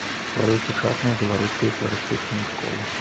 Стварыў сучасную беларускую фларыстычную школу.